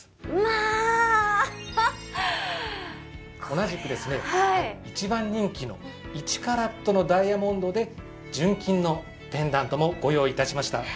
同じくですね一番人気の１カラットのダイヤモンドで純金のペンダントもご用意致しました。